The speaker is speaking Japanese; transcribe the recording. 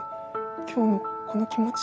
今日のこの気持ち。